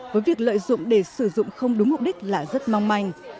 với việc lợi dụng để sử dụng không đúng mục đích là rất mong manh